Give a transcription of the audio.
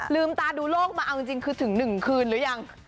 ลืมตาดูโลกมาเอาจริงคือถึง๑คืนหรือยัง